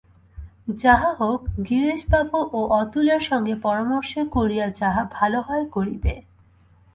যাহা হউক গিরিশবাবু ও অতুলের সঙ্গে পরামর্শ করিয়া যাহা ভাল হয় করিবে।